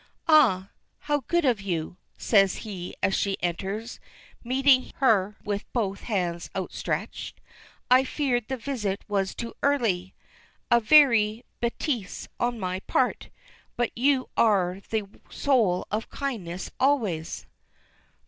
"Ah! How good of you!" says he as she enters, meeting her with both hands outstretched. "I feared the visit was too early! A very bêtise on my part but you are the soul of kindness always."